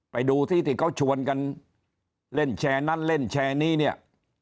ไปดูที่ที่เขาชวนกันเล่นแชร์นั้นเล่นแชร์นี้เนี่ย